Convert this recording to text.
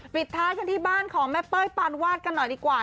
ปิดท้ายกันที่บ้านของแม่เป้ยปานวาดกันหน่อยดีกว่า